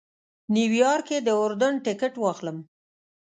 نیویارک کې د اردن ټکټ واخلم.